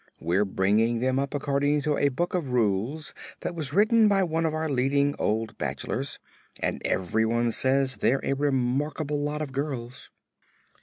"We're bringing them up according to a book of rules that was written by one of our leading old bachelors, and everyone says they're a remarkable lot of girls."